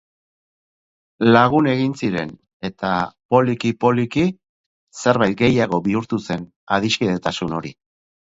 Lagun egin ziren, eta poliki-poliki zerbait gehiago bihurtu zen adiskidetasun hori.